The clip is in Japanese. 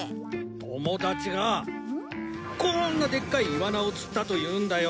友達がこんなでっかいイワナを釣ったというんだよ。